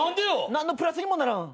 何のプラスにもならん。